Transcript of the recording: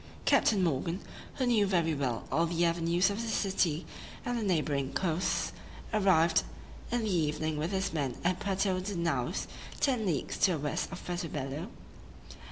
Captain Morgan, who knew very well all the avenues of this city and the neighboring coasts, arrived in the evening with his men at Puerto de Naos, ten leagues to the west of Puerto Bello.